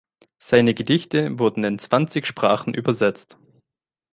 Seine Gedichte wurden in zwanzig Sprachen übersetzt.